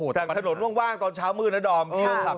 รถทะโหนว่งตอนเช้าภูมิเดี๋ยวดอม